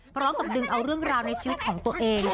พร้อมกับดึงเอาเรื่องราวในชีวิตของตัวเอง